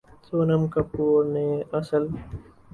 سونم کپور نے اسل